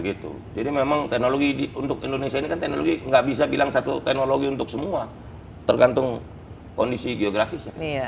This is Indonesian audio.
gitu jadi memang teknologi untuk indonesia ini kan teknologi nggak bisa bilang satu teknologi untuk semua tergantung kondisi geografis